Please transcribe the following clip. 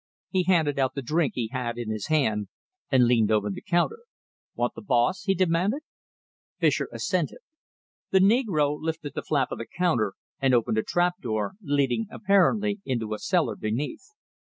He handed out the drink he had in his hand, and leaned over the counter. "Want the boss?" he demanded. Fischer assented. The negro lifted the flap of the counter and opened a trapdoor, leading apparently into a cellar beneath.